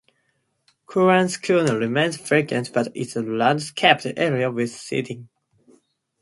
Cowan's Corner remains vacant but is a landscaped area with seating.